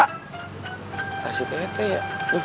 kasih teh teh ya